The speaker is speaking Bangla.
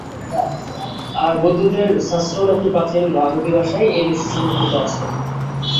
আর বৌদ্ধদের শাস্ত্র নাকি প্রাচীন মাগধী ভাষায়, এই দেশেই সুরক্ষিত আছে।